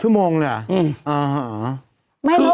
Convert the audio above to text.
ชั่วโมงเลยเหรอ